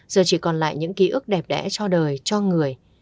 giờ chỉ còn lại những ký ức đẹp đẽ cho đời cho người